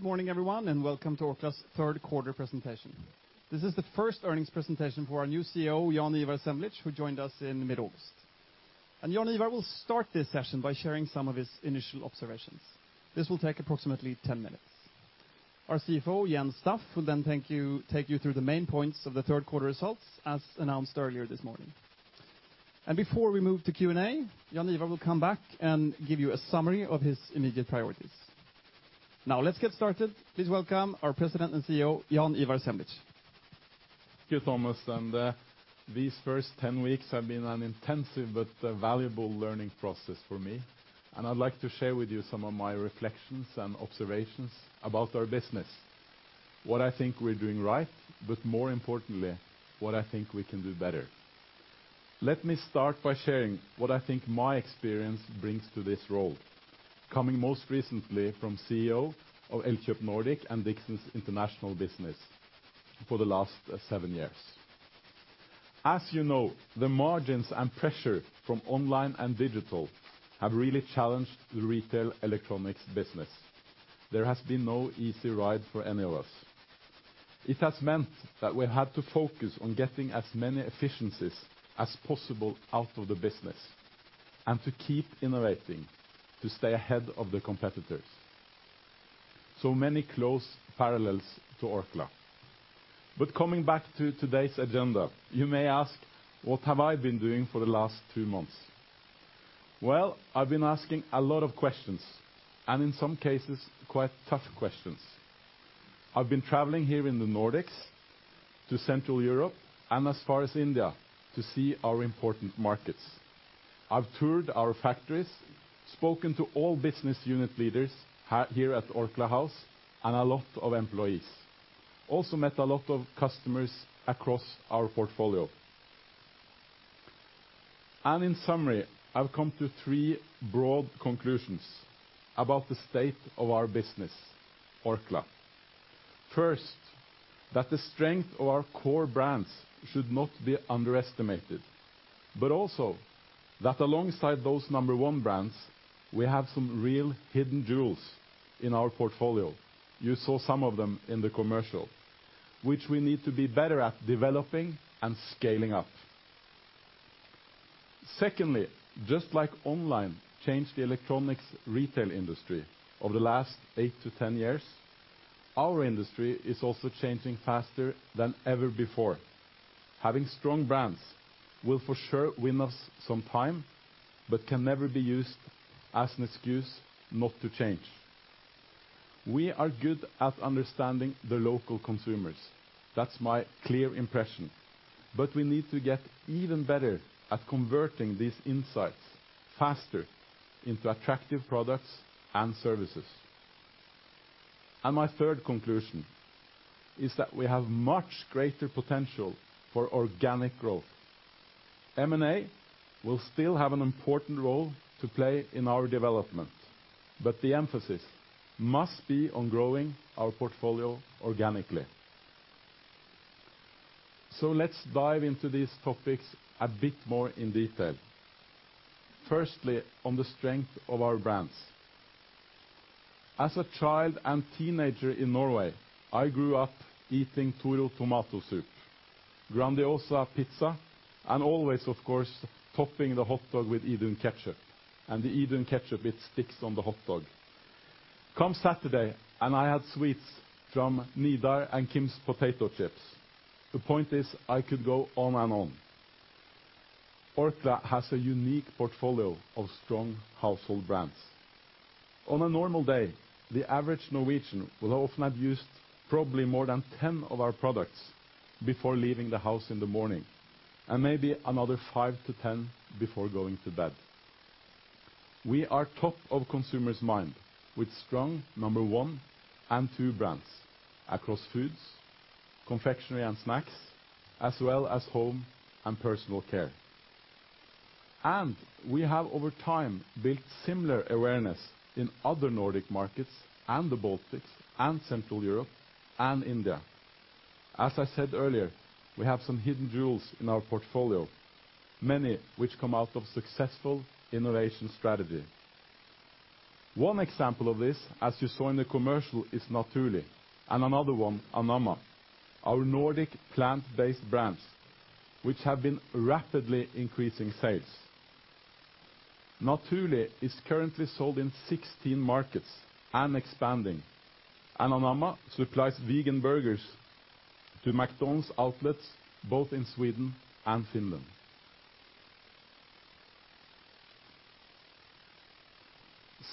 Good morning, everyone, and welcome to Orkla's third quarter presentation. This is the first earnings presentation for our new CEO, Jaan Ivar Semlitsch, who joined us in mid-August. Jaan Ivar will start this session by sharing some of his initial observations. This will take approximately 10 minutes. Our CFO, Jens Staff, will then take you through the main points of the third quarter results, as announced earlier this morning. Before we move to Q&A, Jaan Ivar will come back and give you a summary of his immediate priorities. Now, let's get started. Please welcome our President and CEO, Jaan Ivar Semlitsch. Thank you, Thomas. These first 10 weeks have been an intensive but valuable learning process for me, and I'd like to share with you some of my reflections and observations about our business, what I think we're doing right, but more importantly, what I think we can do better. Let me start by sharing what I think my experience brings to this role, coming most recently from CEO of Elkjøp Nordic and Dixons international business for the last seven years. As you know, the margins and pressure from online and digital have really challenged the retail electronics business. There has been no easy ride for any of us. It has meant that we have to focus on getting as many efficiencies as possible out of the business and to keep innovating to stay ahead of the competitors. Many close parallels to Orkla. Coming back to today's agenda, you may ask, what have I been doing for the last two months? Well, I've been asking a lot of questions, and in some cases, quite tough questions. I've been traveling here in the Nordics to Central Europe and as far as India to see our important markets. I've toured our factories, spoken to all business unit leaders here at Orkla House, and a lot of employees. Also met a lot of customers across our portfolio. In summary, I've come to three broad conclusions about the state of our business, Orkla. First, that the strength of our core brands should not be underestimated, but also that alongside those number one brands, we have some real hidden jewels in our portfolio, you saw some of them in the commercial, which we need to be better at developing and scaling up. Secondly, just like online changed the electronics retail industry over the last 8 to 10 years, our industry is also changing faster than ever before. Having strong brands will for sure win us some time, but can never be used as an excuse not to change. We are good at understanding the local consumers. That's my clear impression. We need to get even better at converting these insights faster into attractive products and services. My third conclusion is that we have much greater potential for organic growth. M&A will still have an important role to play in our development, but the emphasis must be on growing our portfolio organically. Let's dive into these topics a bit more in detail. Firstly, on the strength of our brands. As a child and teenager in Norway, I grew up eating Toro tomato soup, Grandiosa pizza, always, of course, topping the hot dog with Idun ketchup. The Idun ketchup, it sticks on the hot dog. Come Saturday, I had sweets from Nidar and KiMs potato chips. The point is, I could go on and on. Orkla has a unique portfolio of strong household brands. On a normal day, the average Norwegian will often have used probably more than 10 of our products before leaving the house in the morning, and maybe another 5 to 10 before going to bed. We are top of consumer's mind with strong number 1 and 2 brands across foods, confectionery and snacks, as well as home and personal care. We have, over time, built similar awareness in other Nordic markets and the Baltics and Central Europe and India. As I said earlier, we have some hidden jewels in our portfolio, many which come out of successful innovation strategy. One example of this, as you saw in the commercial, is Naturli', and another one, Anamma, our Nordic plant-based brands, which have been rapidly increasing sales. Naturli' is currently sold in 16 markets and expanding. Anamma supplies vegan burgers to McDonald's outlets both in Sweden and Finland.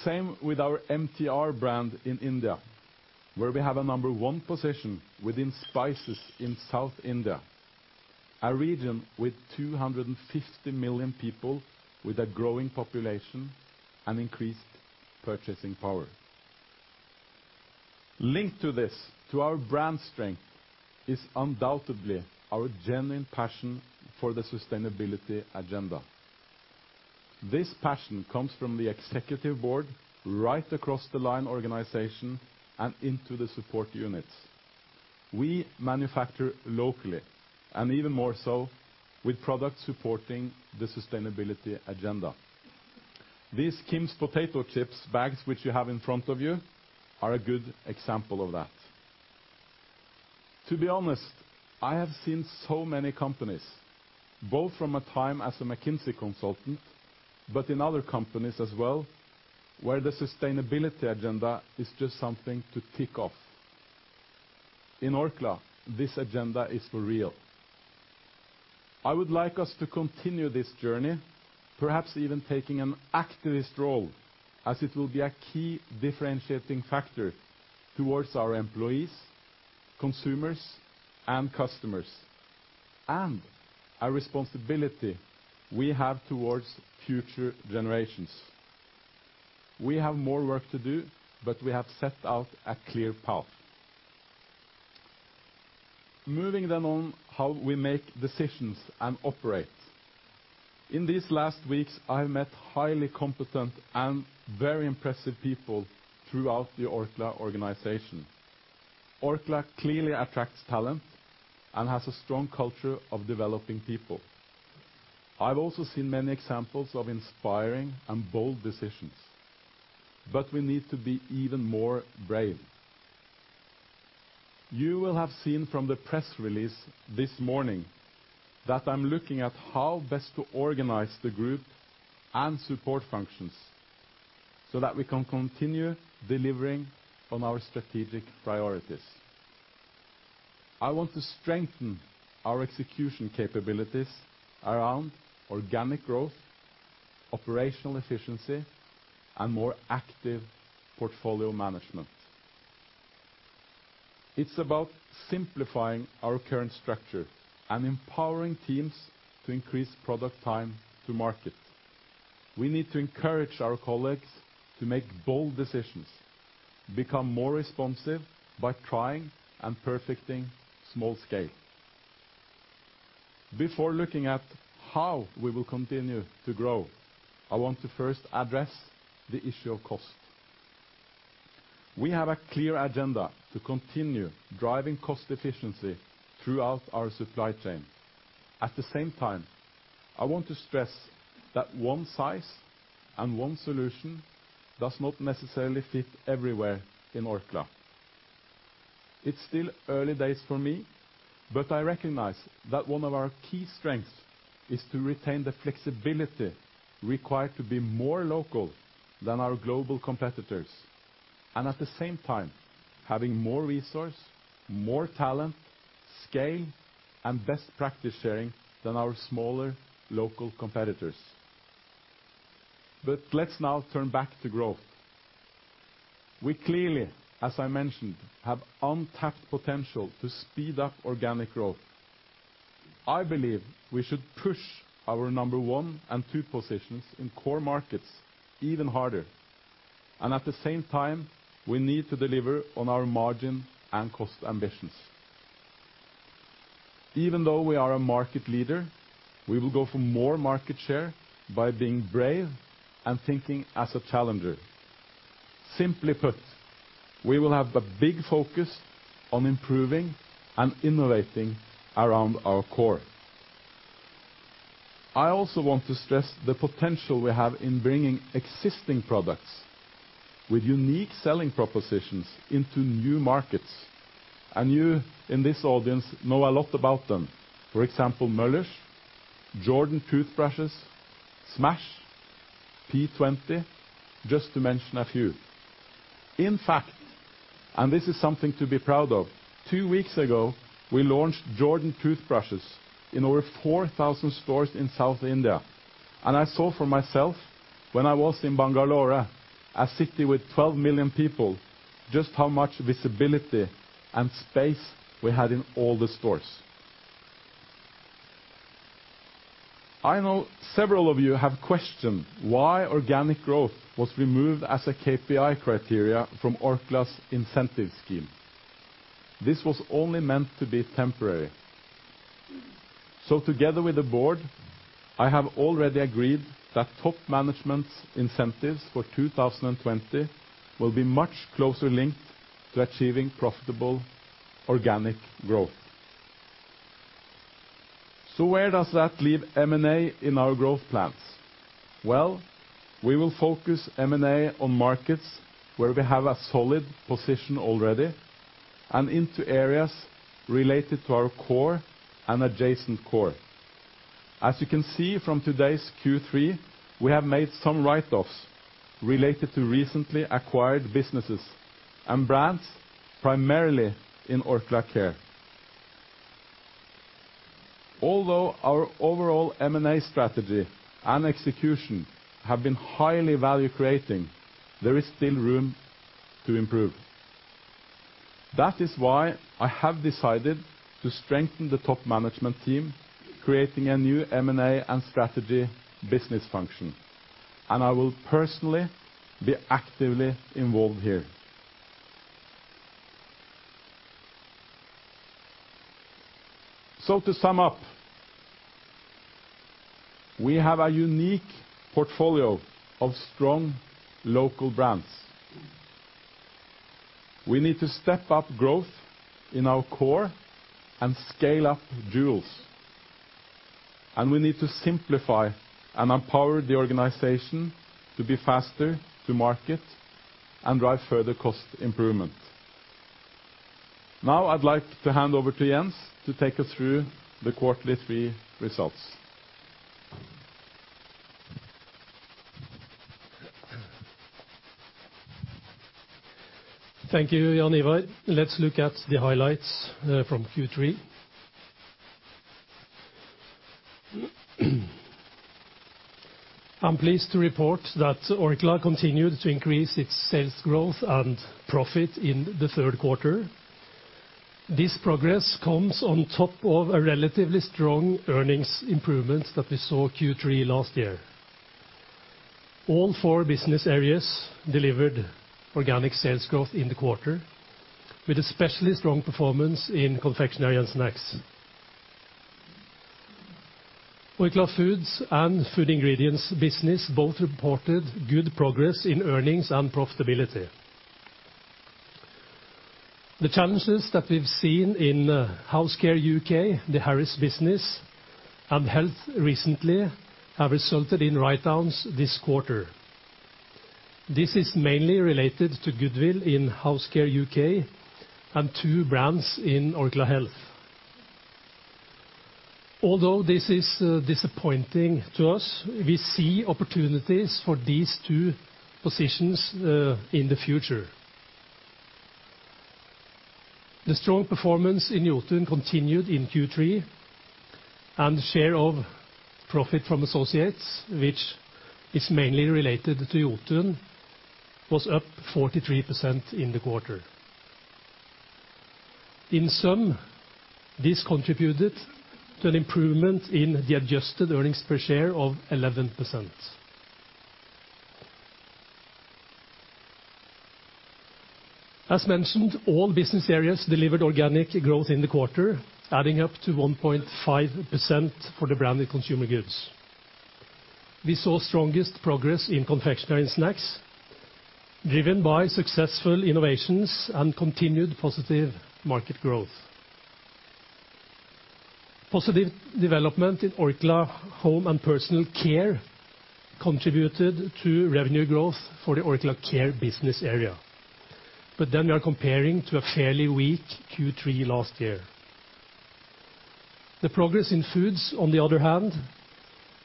Same with our MTR brand in India, where we have a number one position within spices in South India, a region with 250 million people with a growing population and increased purchasing power. Linked to this, to our brand strength, is undoubtedly our genuine passion for the sustainability agenda. This passion comes from the executive board right across the line organization and into the support units. We manufacture locally, and even more so with products supporting the sustainability agenda. These KiMs Potato Chips bags, which you have in front of you, are a good example of that. To be honest, I have seen so many companies, both from a time as a McKinsey consultant, but in other companies as well, where the sustainability agenda is just something to tick off. In Orkla, this agenda is for real. I would like us to continue this journey, perhaps even taking an activist role as it will be a key differentiating factor towards our employees, consumers, and customers, and a responsibility we have towards future generations. We have more work to do, but we have set out a clear path. Moving on how we make decisions and operate. In these last weeks, I met highly competent and very impressive people throughout the Orkla organization. Orkla clearly attracts talent and has a strong culture of developing people. I've also seen many examples of inspiring and bold decisions, but we need to be even braver. You will have seen from the press release this morning that I'm looking at how best to organize the group and support functions so that we can continue delivering on our strategic priorities. I want to strengthen our execution capabilities around organic growth, operational efficiency, and more active portfolio management. It's about simplifying our current structure and empowering teams to increase product time to market. We need to encourage our colleagues to make bold decisions, become more responsive by trying and perfecting small scale. Before looking at how we will continue to grow, I want to first address the issue of cost. We have a clear agenda to continue driving cost efficiency throughout our supply chain. At the same time, I want to stress that one size and one solution does not necessarily fit everywhere in Orkla. It's still early days for me, but I recognize that one of our key strengths is to retain the flexibility required to be more local than our global competitors, and at the same time, having more resource, more talent, scale, and best practice sharing than our smaller local competitors. Let's now turn back to growth. We clearly, as I mentioned, have untapped potential to speed up organic growth. I believe we should push our number one and two positions in core markets even harder, and at the same time, we need to deliver on our margin and cost ambitions. Even though we are a market leader, we will go for more market share by being brave and thinking as a challenger. Simply put, we will have a big focus on improving and innovating around our core. I also want to stress the potential we have in bringing existing products with unique selling propositions into new markets. You in this audience know a lot about them. For example, Smash!, Jordan toothbrushes, Smash!, P20, just to mention a few. In fact, and this is something to be proud of, two weeks ago, we launched Jordan toothbrushes in over 4,000 stores in South India, and I saw for myself when I was in Bangalore, a city with 12 million people, just how much visibility and space we had in all the stores. I know several of you have questioned why organic growth was removed as a KPI criteria from Orkla's incentive scheme. This was only meant to be temporary. Together with the board, I have already agreed that top management's incentives for 2020 will be much closely linked to achieving profitable organic growth. Where does that leave M&A in our growth plans? We will focus M&A on markets where we have a solid position already and into areas related to our core and adjacent core. As you can see from today's Q3, we have made some write-offs related to recently acquired businesses and brands, primarily in Orkla Care. Although our overall M&A strategy and execution have been highly value-creating, there is still room to improve. That is why I have decided to strengthen the top management team, creating a new M&A and strategy business function, and I will personally be actively involved here. To sum up. We have a unique portfolio of strong local brands. We need to step up growth in our core and scale up jewels. We need to simplify and empower the organization to be faster to market and drive further cost improvement. Now I'd like to hand over to Jens to take us through the quarterly results. Thank you, Jaan Ivar. Let's look at the highlights from Q3. I'm pleased to report that Orkla continued to increase its sales growth and profit in the third quarter. This progress comes on top of a relatively strong earnings improvement that we saw Q3 last year. All four business areas delivered organic sales growth in the quarter, with especially strong performance in confectionery and snacks. Orkla Foods and Food Ingredients business both reported good progress in earnings and profitability. The challenges that we've seen in House Care UK, the Harris business, and Health recently, have resulted in write-downs this quarter. This is mainly related to goodwill in House Care UK and two brands in Orkla Health. Although this is disappointing to us, we see opportunities for these two positions in the future. The strong performance in Jotun continued in Q3, and share of profit from associates, which is mainly related to Jotun, was up 43% in the quarter. In sum, this contributed to an improvement in the adjusted earnings per share of 11%. As mentioned, all business areas delivered organic growth in the quarter, adding up to 1.5% for the Branded Consumer Goods. We saw strongest progress in confectionery and snacks, driven by successful innovations and continued positive market growth. Positive development in Orkla Home and Personal Care contributed to revenue growth for the Orkla Care business area. We are comparing to a fairly weak Q3 last year. The progress in foods, on the other hand,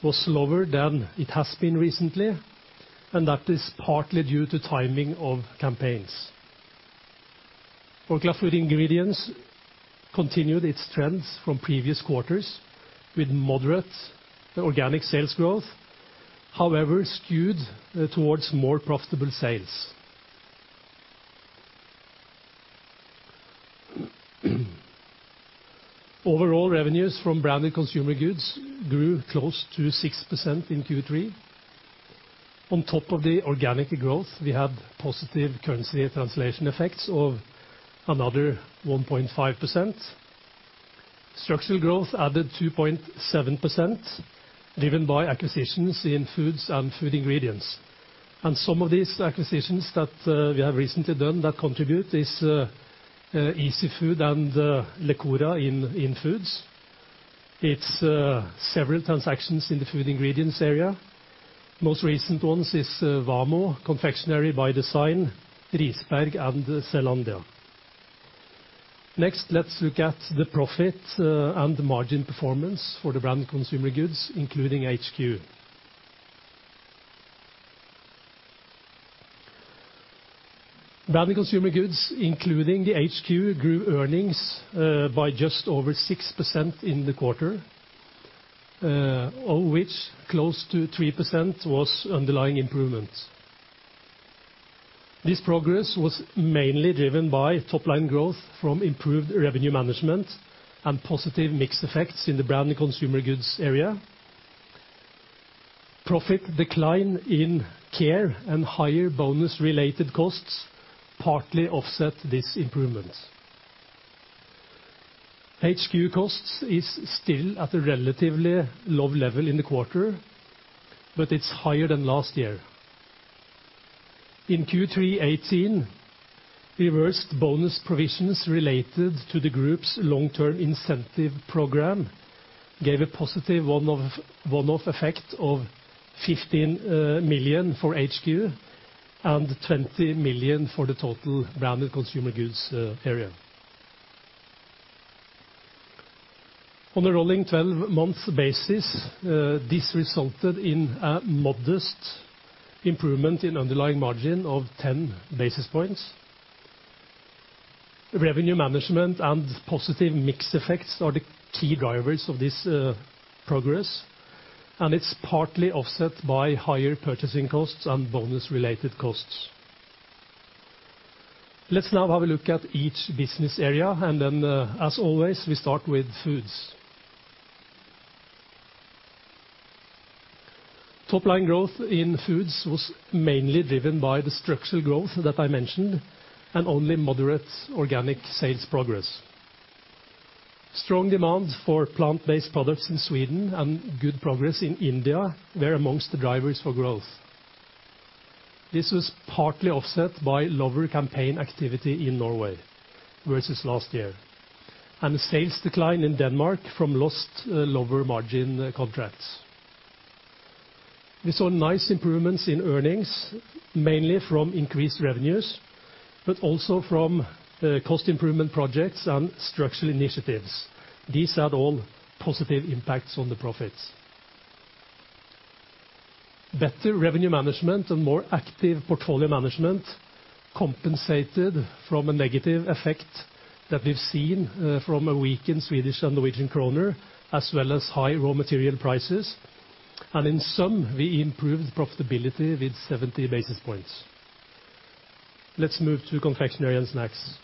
was slower than it has been recently, and that is partly due to timing of campaigns. Orkla Food Ingredients continued its trends from previous quarters with moderate organic sales growth, however, skewed towards more profitable sales. Overall revenues from Branded Consumer Goods grew close to 6% in Q3. On top of the organic growth, we had positive currency translation effects of another 1.5%. Structural growth added 2.7%, driven by acquisitions in foods and food ingredients. Some of these acquisitions that we have recently done that contribute is Easyfood and Lecora in foods. It's several transactions in the food ingredients area. Most recent ones is Vamo, Confection by Design, Risberg and Zeelandia. Next, let's look at the profit and margin performance for the Branded Consumer Goods, including HQ. Branded Consumer Goods, including the HQ, grew earnings by just over 6% in the quarter, of which close to 3% was underlying improvement. This progress was mainly driven by top-line growth from improved revenue management and positive mix effects in the Branded Consumer Goods area. Profit decline in Care and higher bonus-related costs partly offset this improvement. HQ costs is still at a relatively low level in the quarter, but it's higher than last year. In Q3 2018, reversed bonus provisions related to the group's long-term incentive program gave a positive one-off effect of 15 million for HQ and 20 million for the total Branded Consumer Goods area. On a rolling 12-month basis, this resulted in a modest improvement in underlying margin of 10 basis points. Revenue management and positive mix effects are the key drivers of this progress, and it's partly offset by higher purchasing costs and bonus-related costs. Let's now have a look at each business area. As always, we start with Foods. Top-line growth in Foods was mainly driven by the structural growth that I mentioned and only moderate organic sales progress. Strong demand for plant-based products in Sweden and good progress in India were amongst the drivers for growth. This was partly offset by lower campaign activity in Norway versus last year and sales decline in Denmark from lost lower margin contracts. We saw nice improvements in earnings, mainly from increased revenues, but also from cost improvement projects and structural initiatives. These had all positive impacts on the profits. Better revenue management and more active portfolio management compensated from a negative effect that we've seen from a weakened Swedish and Norwegian krone, as well as high raw material prices. In sum, we improved profitability with 70 basis points. Let's move to confectionery and snacks.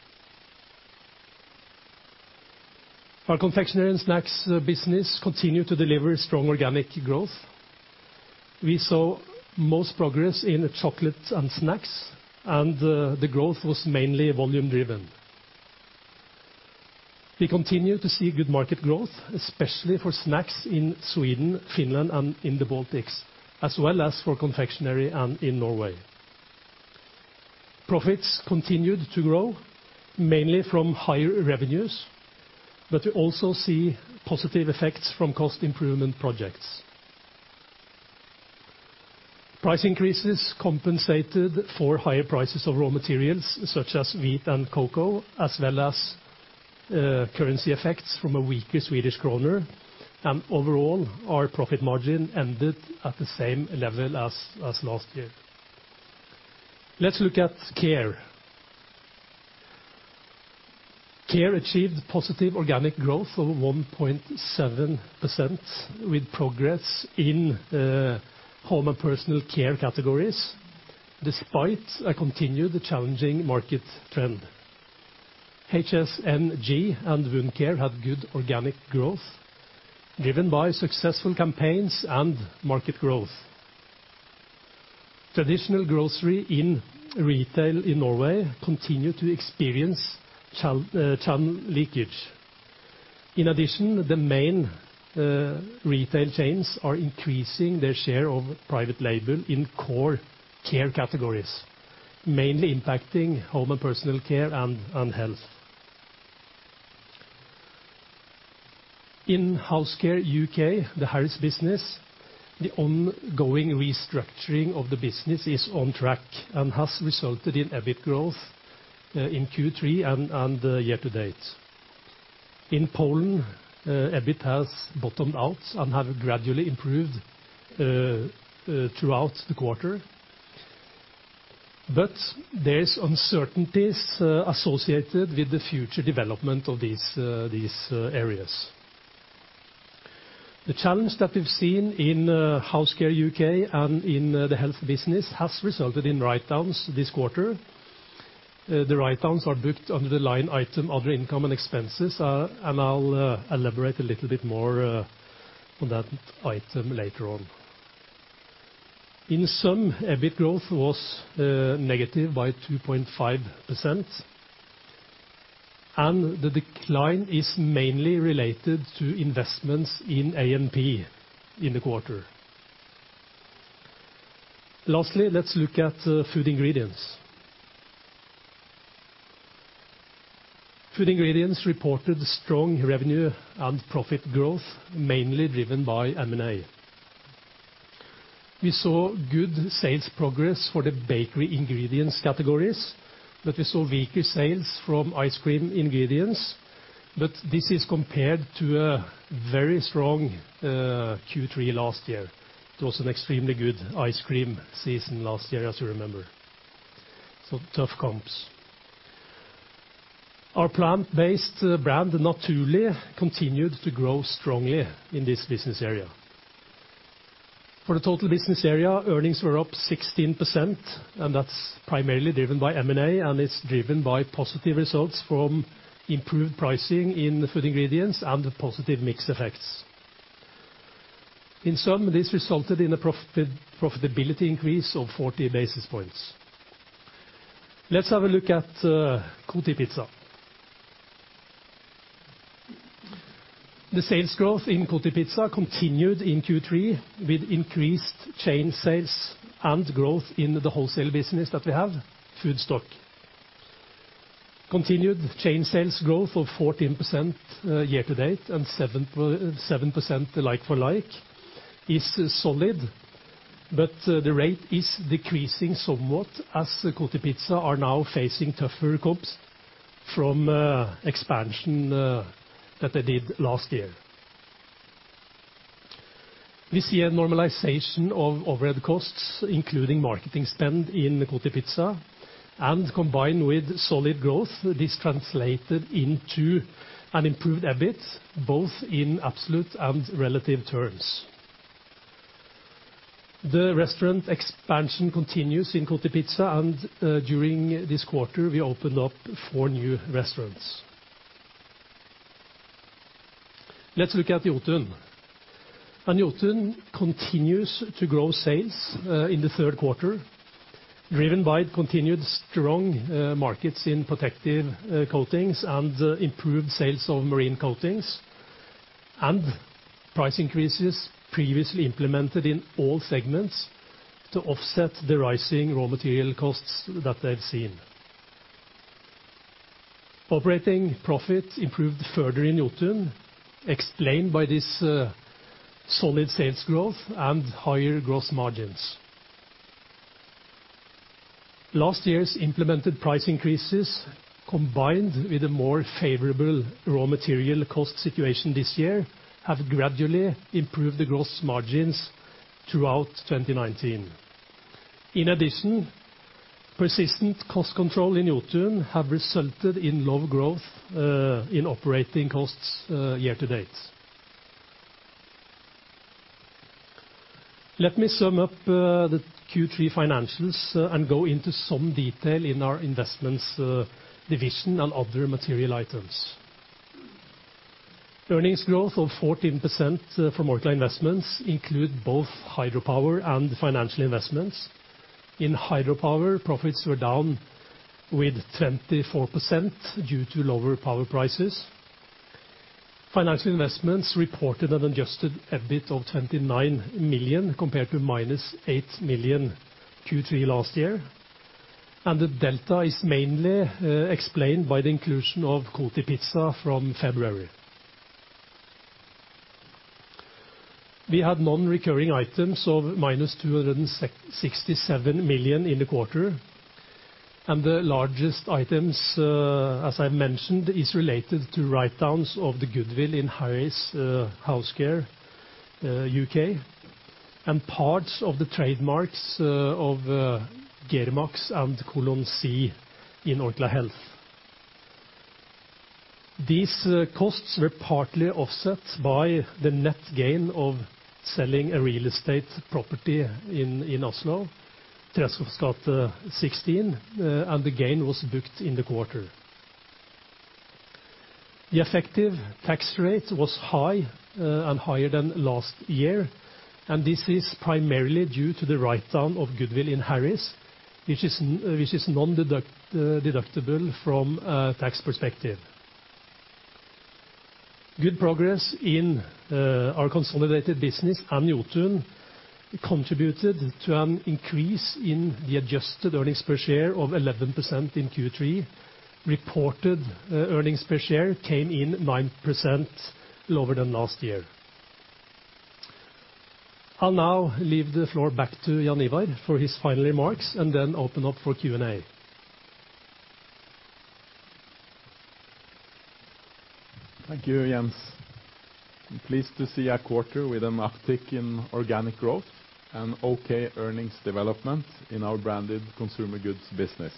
Our confectionery and snacks business continued to deliver strong organic growth. We saw most progress in chocolate and snacks, and the growth was mainly volume driven. We continue to see good market growth, especially for snacks in Sweden, Finland, and in the Baltics, as well as for confectionery and in Norway. Profits continued to grow, mainly from higher revenues, but we also see positive effects from cost improvement projects. Price increases compensated for higher prices of raw materials such as wheat and cocoa, as well as currency effects from a weaker Swedish krone. Overall, our profit margin ended at the same level as last year. Let's look at Care. Care achieved positive organic growth of 1.7% with progress in home and personal care categories, despite a continued challenging market trend. HSNG and Wound Care had good organic growth driven by successful campaigns and market growth. Traditional grocery in retail in Norway continued to experience channel leakage. In addition, the main retail chains are increasing their share of private label in core care categories, mainly impacting home and personal care and health. In Housecare UK, the Harris business, the ongoing restructuring of the business is on track and has resulted in EBIT growth, in Q3 and year to date. In Poland, EBIT has bottomed out and have gradually improved throughout the quarter. There is uncertainties associated with the future development of these areas. The challenge that we've seen in Housecare UK and in the health business has resulted in write-downs this quarter. The write-downs are booked under the line item, other income and expenses. I'll elaborate a little bit more on that item later on. EBIT growth was negative by 2.5%. The decline is mainly related to investments in A&P in the quarter. Let's look at food ingredients. Food ingredients reported strong revenue and profit growth, mainly driven by M&A. We saw good sales progress for the bakery ingredients categories. We saw weaker sales from ice cream ingredients. This is compared to a very strong Q3 last year. It was an extremely good ice cream season last year, as you remember. Tough comps. Our plant-based brand, Naturli', continued to grow strongly in this business area. For the total business area, earnings were up 16%. That's primarily driven by M&A. It's driven by positive results from improved pricing in food ingredients and positive mix effects. This resulted in a profitability increase of 40 basis points. Let's have a look at Kotipizza. The sales growth in Kotipizza continued in Q3 with increased chain sales and growth in the wholesale business that we have, Foodstock. Continued chain sales growth of 14% year-to-date and 7% like-for-like is solid. The rate is decreasing somewhat as Kotipizza are now facing tougher comps from expansion that they did last year. We see a normalization of overhead costs, including marketing spend in Kotipizza. Combined with solid growth, this translated into an improved EBIT, both in absolute and relative terms. The restaurant expansion continues in Kotipizza. During this quarter, we opened up four new restaurants. Let's look at Jotun. Jotun continues to grow sales in the third quarter, driven by continued strong markets in protective coatings and improved sales of marine coatings. Price increases previously implemented in all segments to offset the rising raw material costs that they've seen. Operating profit improved further in Jotun, explained by this solid sales growth and higher gross margins. Last year's implemented price increases, combined with a more favorable raw material cost situation this year, have gradually improved the gross margins throughout 2019. In addition, persistent cost control in Jotun have resulted in low growth in operating costs year to date. Let me sum up the Q3 financials and go into some detail in our investments division and other material items. Earnings growth of 14% from Orkla Investments include both hydropower and financial investments. In hydropower, profits were down with 24% due to lower power prices. Financial investments reported an adjusted EBIT of 29 million, compared to minus eight million Q3 last year. The delta is mainly explained by the inclusion of Kotipizza from February. We had non-recurring items of minus 267 million in the quarter. The largest items, as I mentioned, is related to write-downs of the goodwill in Harris House Care UK, and parts of the trademarks of Gerimax and Colon C in Orkla Health. These costs were partly offset by the net gain of selling a real estate property in Oslo, Treschows gate 16, and the gain was booked in the quarter. The effective tax rate was high and higher than last year. This is primarily due to the write-down of goodwill in Harris, which is non-deductible from a tax perspective. Good progress in our consolidated business and Jotun contributed to an increase in the adjusted earnings per share of 11% in Q3. Reported earnings per share came in 9% lower than last year. I'll now leave the floor back to Jaan Ivar for his final remarks and then open up for Q&A. Thank you, Jens. I'm pleased to see a quarter with an uptick in organic growth and okay earnings development in our Branded Consumer Goods business.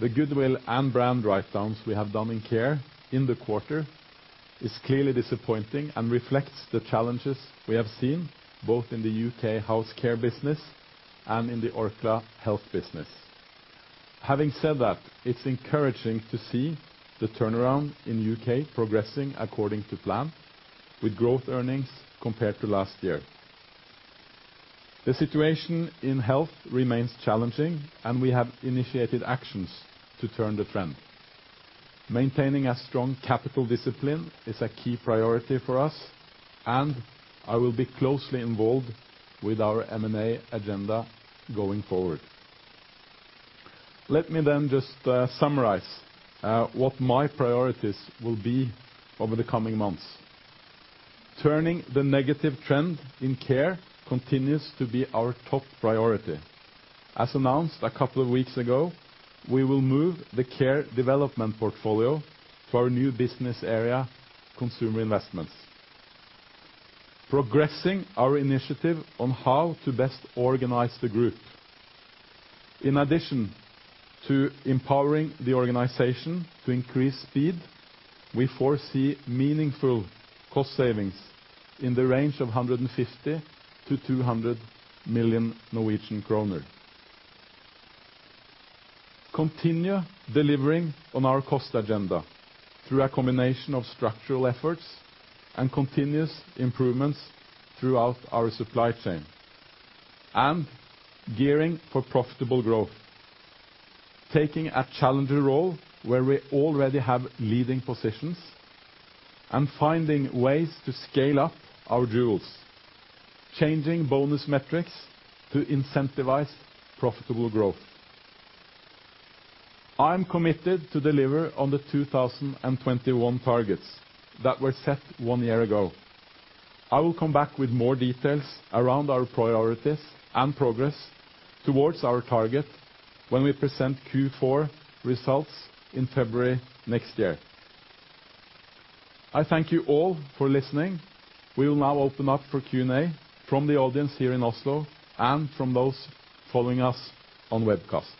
The goodwill and brand write-downs we have done in Care in the quarter is clearly disappointing and reflects the challenges we have seen both in the U.K. House Care business and in the Orkla Health business. Having said that, it's encouraging to see the turnaround in U.K. progressing according to plan, with growth earnings compared to last year. The situation in Health remains challenging, and we have initiated actions to turn the trend. Maintaining a strong capital discipline is a key priority for us, and I will be closely involved with our M&A agenda going forward. Let me just summarize what my priorities will be over the coming months. Turning the negative trend in Care continues to be our top priority. As announced a couple of weeks ago, we will move the Care development portfolio to our new business area, Consumer Investments. Progressing our initiative on how to best organize the group. In addition to empowering the organization to increase speed, we foresee meaningful cost savings in the range of 150 million-200 million Norwegian kroner. Continue delivering on our cost agenda through a combination of structural efforts and continuous improvements throughout our supply chain. Gearing for profitable growth. Taking a challenger role where we already have leading positions and finding ways to scale up our jewels. Changing bonus metrics to incentivize profitable growth. I'm committed to deliver on the 2021 targets that were set one year ago. I will come back with more details around our priorities and progress towards our target when we present Q4 results in February next year. I thank you all for listening. We will now open up for Q&A from the audience here in Oslo and from those following us on webcast.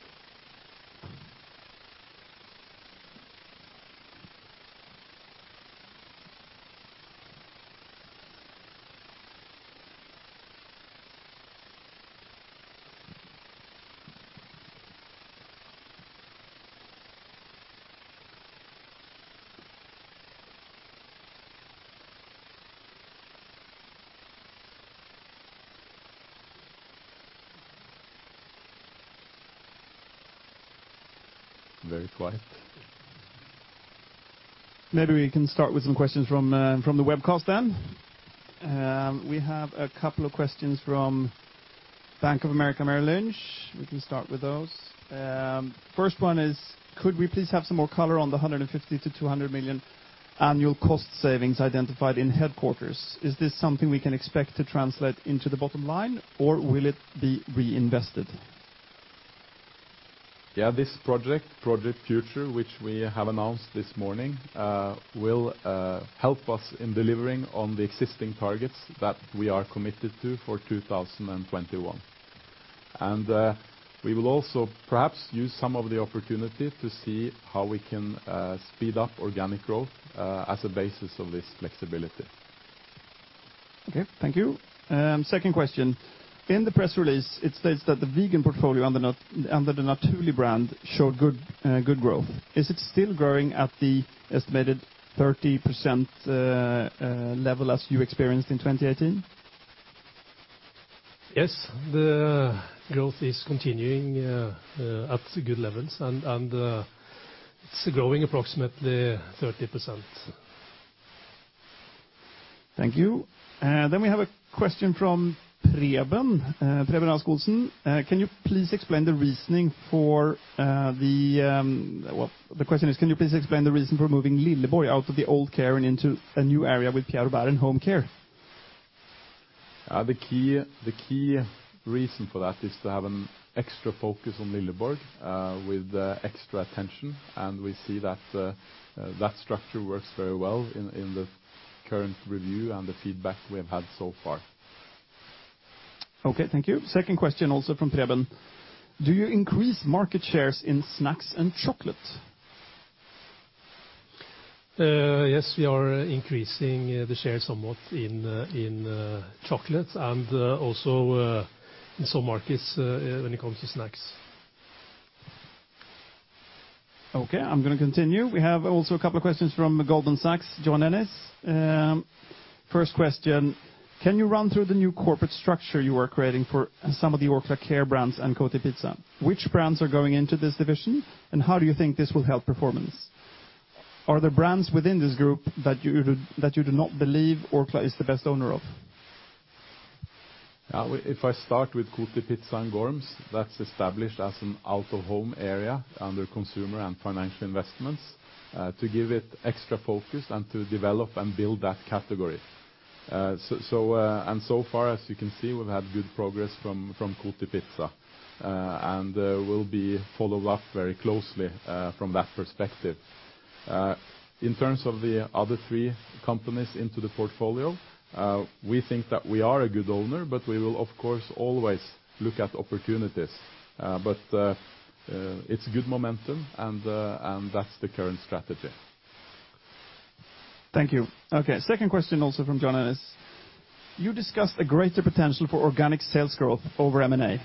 Very quiet. Maybe we can start with some questions from the webcast. We have a couple of questions from Bank of America Merrill Lynch. We can start with those. First one is, could we please have some more color on the 150 million-200 million annual cost savings identified in headquarters? Is this something we can expect to translate into the bottom line, or will it be reinvested? Yeah. This project, Project Future, which we have announced this morning, will help us in delivering on the existing targets that we are committed to for 2021. We will also perhaps use some of the opportunity to see how we can speed up organic growth, as a basis of this flexibility. Okay. Thank you. Second question. In the press release, it states that the vegan portfolio under the Naturli' brand showed good growth. Is it still growing at the estimated 30% level as you experienced in 2018? Yes. The growth is continuing at good levels, and it's growing approximately 30%. Thank you. We have a question from Preben Askjussen. The question is, can you please explain the reason for moving Lilleborg out of Orkla Care and into a new area with Pierre Robert in Home Care? The key reason for that is to have an extra focus on Lilleborg, with extra attention, and we see that structure works very well in the current review and the feedback we have had so far. Okay, thank you. Second question, also from Preben. Do you increase market shares in snacks and chocolate? We are increasing the share somewhat in chocolate and also in some markets when it comes to snacks. Okay. I'm going to continue. We have also a couple of questions from Goldman Sachs, John Ennis. First question, can you run through the new corporate structure you are creating for some of the Orkla Care brands and Kotipizza? Which brands are going into this division, and how do you think this will help performance? Are there brands within this group that you do not believe Orkla is the best owner of? If I start with Kotipizza and Gõrese, that's established as an out-of-home area under consumer and financial investments, to give it extra focus and to develop and build that category. So far, as you can see, we've had good progress from Kotipizza, and will be followed up very closely from that perspective. In terms of the other three companies into the portfolio, we think that we are a good owner, but we will, of course, always look at opportunities. It's good momentum, and that's the current strategy. Thank you. Okay. Second question also from John Ennis. You discussed a greater potential for organic sales growth over M&A.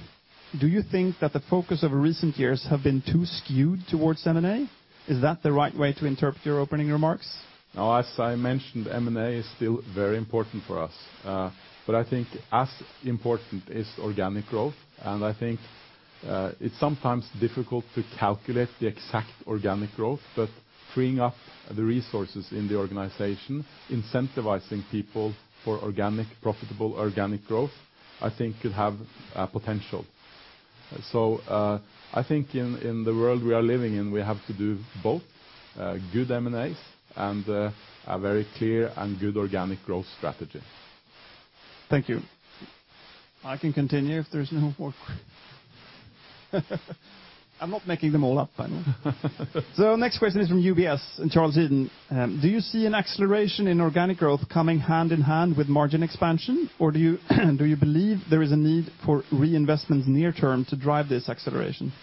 Do you think that the focus of recent years have been too skewed towards M&A? Is that the right way to interpret your opening remarks? As I mentioned, M&A is still very important for us. I think as important is organic growth, and I think it's sometimes difficult to calculate the exact organic growth, but freeing up the resources in the organization, incentivizing people for profitable organic growth, I think could have potential. I think in the world we are living in, we have to do both good M&As and a very clear and good organic growth strategy. Thank you. I can continue if there's no more questions. I'm not making them all up, by the way. Next question is from UBS, and Charles Eden. Do you see an acceleration in organic growth coming hand in hand with margin expansion, or do you believe there is a need for reinvestment near term to drive this acceleration?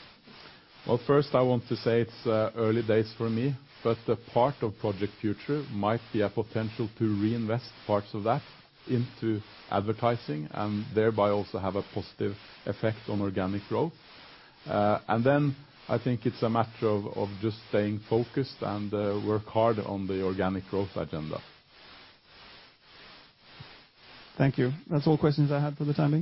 Well, first I want to say it's early days for me, but a part of Project Future might be a potential to reinvest parts of that into advertising, and thereby also have a positive effect on organic growth. I think it's a matter of just staying focused and work hard on the organic growth agenda. Thank you. That's all questions I had for the time being.